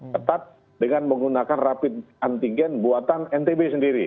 ketat dengan menggunakan rapid antigen buatan ntb sendiri